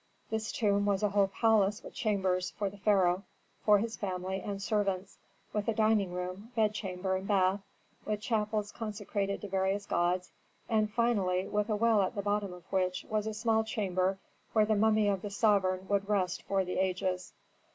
This tomb was a whole palace with chambers for the pharaoh, for his family and servants, with a dining room, bedchamber and bath, with chapels consecrated to various gods, and finally with a well at the bottom of which was a small chamber where the mummy of the sovereign would rest for the ages.